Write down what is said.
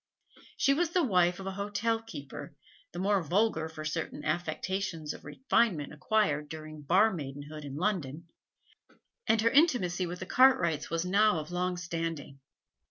She was the wife of an hotel keeper, the more vulgar for certain affectations of refinement acquired during bar maidenhood in London, and her intimacy with the Cartwrights was now of long standing.